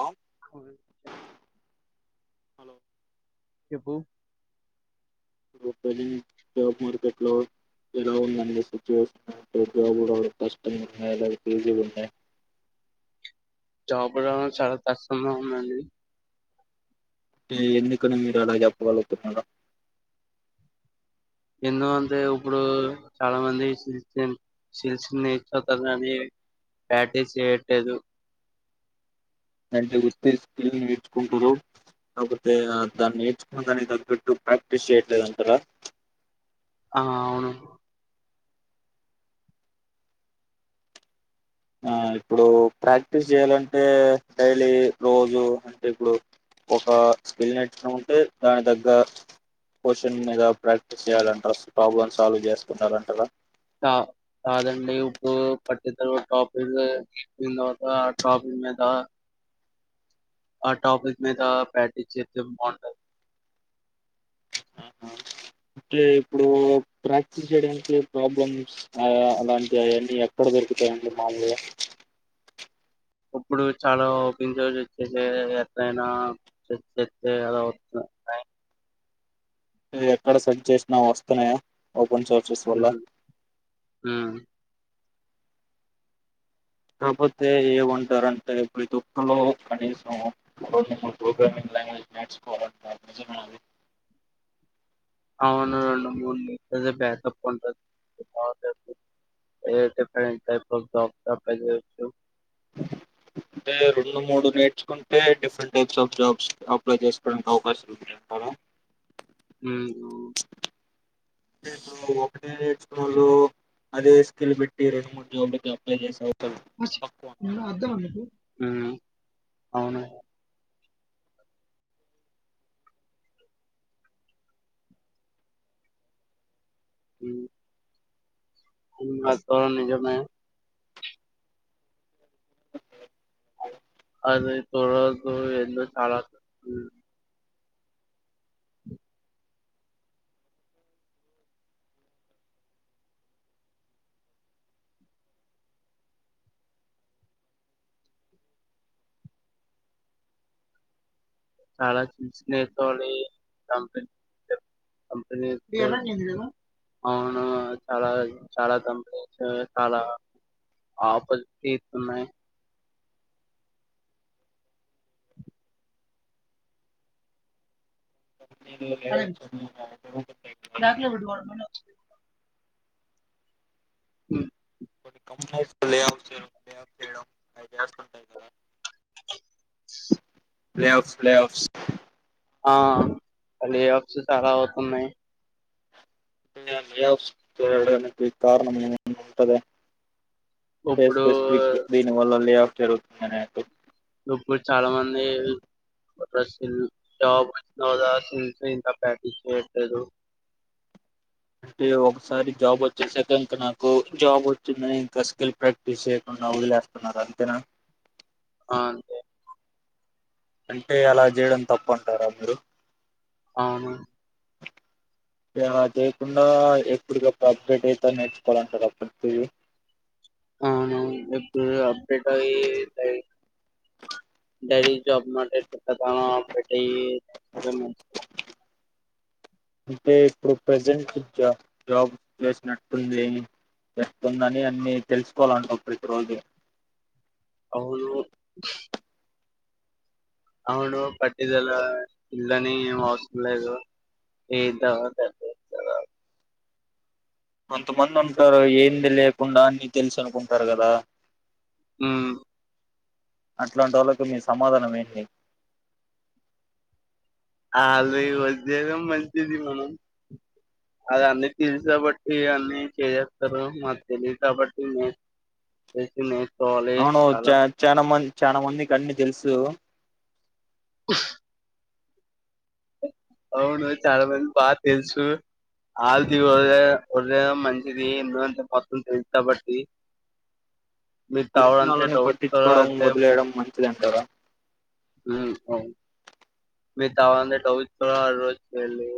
ఆ హబ హలో చెప్పు [unintelligible] స్టాక్ మార్కెట్ లో ఎలా ఉందండి మీ సిట్యుయేషన్, ఇంట్లో కుడా కష్టంగా [unintelligible] ఉన్నాయి జాబ్ రావడం చాలా కష్టంగా ఉందండి ఈ, ఎందుకని మీరు అలా చెప్పగలుగుతున్నారు ఎందు అంటే ఇప్పుడు చాలా మంది సిల్స్ సిల్స్ [unintelligible] కాని ప్రాక్టీస్ చేయట్లేదు అంటే వచ్చే స్కిల్ నేర్చుకుంటుర్రు కాకపోతే దాన్ని నేర్చుకున్న దానికి తగ్గట్టు ప్రాక్టీస్ చేయట్లేదు అంటరా ఆ అవును ఆ ఇప్పుడు ప్రాక్టీస్ చెయాలంటే డైలీ రోజు అంటే ఇప్పుడు ఒక స్కిల్ నేర్చుకున్నాం ఉంటే దాని తగ్గ క్వశ్చన్ మీద ప్రాక్టీస్ చేయాలంటారు ప్రాబ్లం సాల్వ్ చేసుకున్నారంటారా త కాదండి ఇప్పుడు పట్టితరు టాపీన తర్వాత ఆ టాపి మీద ఆ టాపిక్ మీద ప్రాక్టీస్ చేస్తే బాగుంటది అంటే ఇప్పుడు ప్రాక్టీస్ చేయడానికి ప్రాబ్లమ్స్ అలాంటివిన్నీ ఎక్కడ ద రుకుతాయండి మాములుగా ఇప్పుడు చాలా [unintelligible] ఎటైనా చేస్తేస్తే అలా వస్తు అ ఎక్కడ సెర్చ్ చేసినా వస్తున్నాయా ఓపెన్ సోర్సెస్ వల్ల ఉహూ ఉమ్ కాకపోతే ఏమంటారంటే ప్రతి ఒక్కలో కనీసం రెండు మూడు ప్రోగ్రామింగ్ లాంగ్వేజ్ నేర్చుకోవాలంటారు నిజమా అది అవును నువ్వు [unintelligible] బ్యాకప్ ఉంటది ఏ డిఫరెంట్ టైప్ ఆఫ్ జాబ్స్ కి అప్లై చేస్తావ్ అంటే రెండు మూడు నేర్చుకుంటే different types of jobs apply చేసుకోవడానికి అవకాశాలు ఉంటాయి కదా ఉమ్ అంటే ఇప్పుడు ఒకటే నేర్చుకోనీ అదే స్కిల్ పెట్టి రెండు మూడు జాబ్ లకి అప్లై చేసావా ఉమ్ అవును ఉమ్ ఉమ్ అది కూడా నిజమే అది కూడా రెండు చాలా చాలా సిన్సియర్ తోని [unintelligible] కంపెనీస్ కి ఇది ఎవరిది అని చూడు అవును చాలా చాలా కంపెనీస్ చాలా ఆఫర్స్ కే ఇత్తున్నాయి అదే బ్యాక్ లో పెట్టుకోవడం [unintelligible] ఉమ్ కొన్ని కంపెనీస్ కి ప్లే ఆఫ్స్ జరుగుతున్నాయా ప్లే ఆఫ్స్ అవి చేస్తుంటాయ్ కదా ప్లే ఆఫ్స్ ప్లే ఆఫ్స్ ఆ ప్లే ఆఫ్స్ చాలా అవుతున్నాయి ప్లే ఆఫ్స్ జరగడానికి కారణం ఏమన్నా ఉంటదా అంటే ఇప్పుడు స్పెసిఫిక్ దీని వల్ల ప్లే ఆఫ్ జరుగుతుందినే ఇప్పుడు చాలా మంది రష్యన్ జాబ్స్ [unintelligible] ఇంకా ప్రాక్టీస్ చేయట్లేదు ఇగ ఒకసారి జాబ్ వచ్చేసాక ఇంక నాకు జాబ్ వచ్చింది అని ఇంకా స్కిల్ ప్రాక్టీస్ చేయకుండా ఉండలేను చెప్తున్నారు అంతేనా ఆ అంతే అంటే అలా చేయడం తప్పు అంటారా మీరు అవును చేయకుండా ఎప్పుటికప్పుడు అప్డ్రేట్ అయిత నేర్చుకోవాలంటారు అప్పుడు అవునవును ఎప్పుడు అప్డేట్ అయ్యి డైలీ జాబ్ [unintelligible] పెట్టి అంటే ఇప్పుడు ప్రజెంట్ జ జాబ్ చేసినట్టుంది చెప్స్తుందని అన్ని తెలుసుకోవాలంట ప్రతిరోోజు అవును అవును పట్టదల ఇల్దని ఏం అవసంలేదు ఏదాద కొంతమంది ఉంటారు ఏంది లేకుండా అన్నీ తెలుసు అనుకుంటారు కదా హ్మ్మ్ అట్లాంటి వాళ్ళకు మీ సమాధానం ఏంటి అళ ఈ వదిలేది మంచిది మనం అది అన్నీ తెలుసు కాబట్టి అన్ని చేసేస్తారు మాకు తెలిదు కాబట్టి మే [unintelligible] అవును చ చాలా మంది చాలా మందికన్నీ తెలుసు అవును చాలా మంది బా తెలుసు ఆల్ది వ వద మంచిది ఎన్నోంత మొత్తం తెలుసు కాబట్టి మీరు తెలిసిన తాగడంటే వాళ్ళని డౌట్స్ కూడా పట్టించుకోవడం వదిలేయడం మంచిధంటారా ఉ మీ [unintelligible] రోజు వెళ్ళి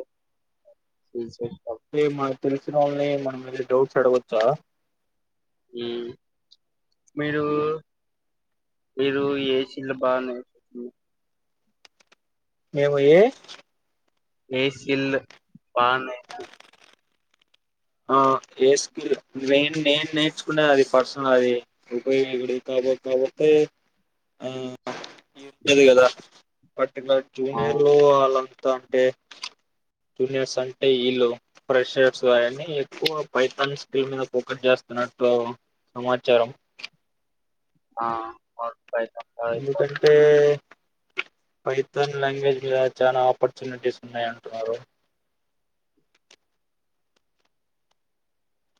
అంటే మనకు తెలిసిన వాళ్ళని మన ఏదో డౌట్స్ అడవచ్చా మీరు మీరు ఏసినవి బావున్నాయి మేము ఏ ఏసిల్ పణ ఆ ఏ స్కిల్ నే నేను నేర్చుకునే అది పర్సనల్ అది ఉపయోగడపడి [unintelligible] ఉండదు కదా బట్ నా జూనియర్ లో అవును అలా అంటే జూనియర్స్ అంటే వీళ్ళు ఫ్రెషర్స్ కాయని ఎక్కువ పైతాన్ స్కిల్ మీద ఫోకస్ చేస్తున్నట్లు సమాచారం ఆ బయటంతా అయిపోతాం ఎందుకంటే పైథాన్ లాంగ్వేజ్ లో చాలా ఆపర్చునిటీస్ ఉన్నాయంటున్నారు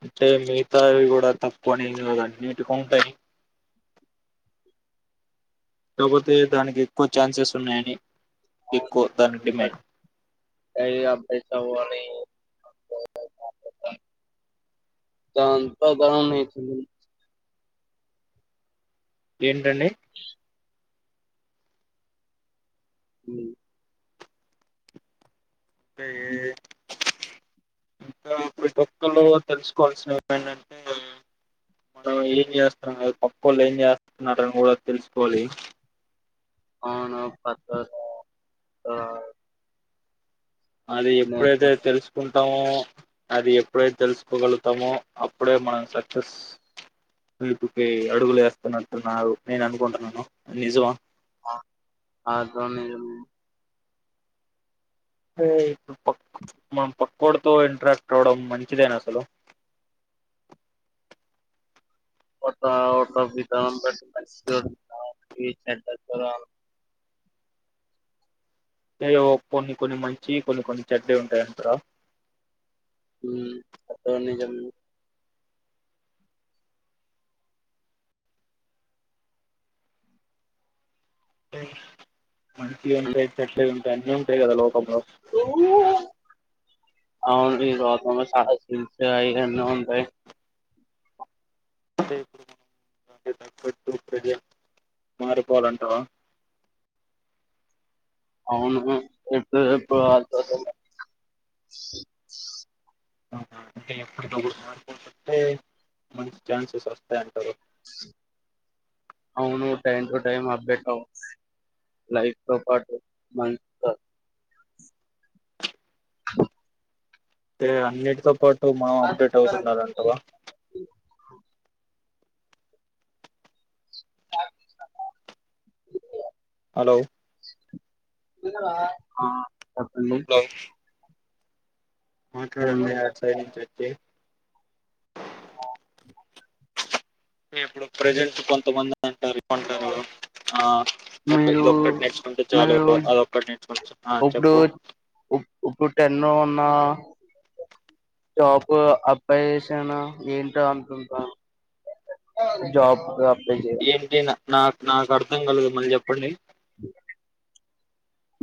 అంటే మిగతావి కూడా తక్కువ అనిద అన్నిటిక ఉంటాయి కాకపోతే దానికి ఎక్కువ ఛాన్సెస్ ఉన్నాయని ఎక్కువ దాని డిమాండ్ [inaudible] [unintelligible] ఏంటండి ఉ స ఇంకా ప్రతి ఒక్కరు తెలుసుకోవాల్సిన ఏంటంటే మనం ఏం చేస్తున్నాం పక్క వాళ్ళు ఏం చేస్తున్నారని కూడా తెలుసుకోవాలి అవును పక్కవాళ్ళు అది ఎప్పుడైతే తెలుసుకుంట తము అది ఎప్పుడైతే తెలుసుకోగలుగుతామో అప్పుడే మనం సక్సెస్ పుకి అడుగులు వేస్తానంటున్నా నేను అనుకుంటున్నాను నిజం అ దని ఏ మనం పక్కోడితో ఇంట్రాక్ట్ అవడం మంచిదేనా అసలు టట వితా ఏవో కొన్ని కొన్ని మంచివి కొన్ని కొన్ని చెడ్డ ఉంటాయంట బ్రో మ్ అప్పో నిజం మంచి ఉంటాయి చెడ్డ ఉంటాయి అన్నీ ఉంటాయి కదా లో పల అవును ఈ గత లో సహస్ హిల్స్ అయన్ని ఉంటాయి అంటే ఇప్పుడు మనం వాటికి తగట్టు [unintelligible] మారిపోవాలంటావా అవును అయితే [unintelligible] ఆ అంటే ఎప్పటికే స్మార్ట్ ఫోన్స్ వొస్తే మంచి ఛాన్సెస్ వస్తాయి అంటారు అవును టైమ్ టు టైమ్ అప్డేట్ అవు లైఫ్ తో పాటు మంచ అంటే అన్నిటితో పాటు మనం అప్డేట్ అవుతుండాలంటవ హలో ఆ చెప్పండి మ్మ్. మాట్లాడండి ఎడ్ సైడ్ నుంచి వొచ్చే టే ఇప్పుడు ప్రజెంట్ కొంతమంది అంటారు కొంటారు ఆ మీరు ఇదొక్కటి నేర్చుకుంటే చాలు మీరు అదొక్కటి నేర్చుకుంటే చా ఆ ఇప్పుడు చెప్పు ఇప్పుడు టెన్ను అన్నా జాప్ అబ్బా చేసానా ఏంటో అంటంటాను జాబ్ అప్ ఏంటి నా నాకు నాకు అర్థం కలదు మళ్ళీ చెప్పండి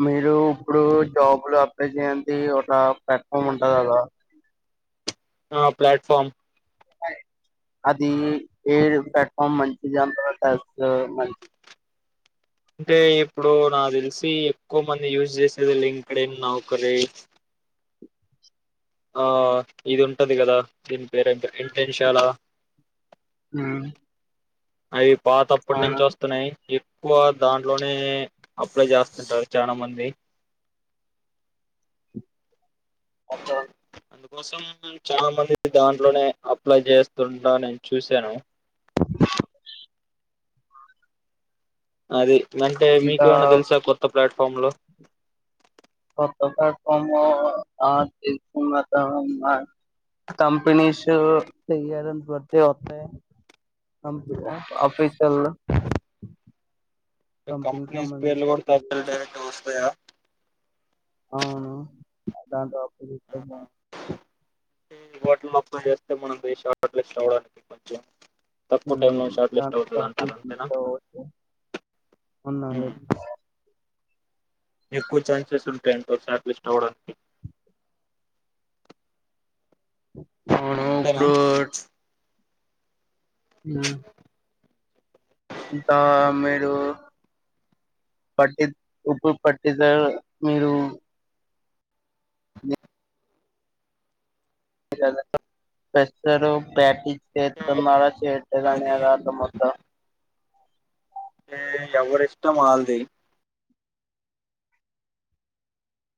మీరు ఇప్పుడు జాబ్లు అప్లై చెయ్యండి ఒక ప్లాట్ఫామ్ ఉంటంది కద ఆ ప్లాట్ఫార్మ్ ఉన్నయ్ అది ఏడు ప్లాట్ఫామ్ మంచిది దాని తవాతస్ మంచిది అంటే ఇప్పుడు నాకు తెలిసి ఎక్కువ మంది యూజ్ చేసేది లింక్డిన్, నౌకరి ఆ ఇది ఉంటుంది కదా దీని పేరు ఏంటో ఇంటిన్ షాలా ఉ అయి పాత అప్పటి నుంచి వస్తున్నాయి ఎక్కువ దాంట్లోనే అప్లై చేస్తుంటారు చానా మంది అందుకోసం హామ్ చానా మంది దాంట్లోనే అప్లై చేస్తుంట నేను చూశాను అది అంటే ఇంకా మీకేమన్నా తెలుసా కొత్త ప్లాట్ఫామ్ లో కొత్త ప్లాట్ఫామ్ లో ఆ తెలిసిన అతను ఉన్నాడు కంపెనీస్ తయారస్ పడితే వత్తే ఆఫీసొళ్ళు కంపెనీస్ పేర్లు కూడా తలు డైరెక్ట్ గా వస్తే అవును దాంతో [unintelligible] అంటే ఈ హోటల్ లోకి పొయ్యొస్తే మనకి షార్ట్ లిస్ట్ అవ్వడానికి కొంచం హామ్ దాంతో షార్ట్ లిస్ట్ అంతేనా తీసుకోవచ్చు అన్నాలే ఎక్కువ చాన్సెస్ ఉంటాయ్ అంట షార్ట్ లిస్ట్ అవ్వడానికి అవును అత్తార ఇప్పుడు హం తా మీరు పట్టి ఉప్పు పట్టిదార్ మీరు బ [unintelligible] వేస్తరు బ్యాటి చేత్తన్నాళ చేత్తదాని అది అంతమొత్తం అంటే ఎవరిష్టం వాల్లది